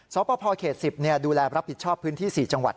สพเขต๑๐ดูแลรับผิดชอบพื้นที่๔จังหวัด